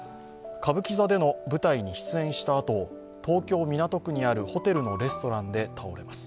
歌舞伎座での舞台に出演したあと東京・港区にあるホテルのレストランで倒れます。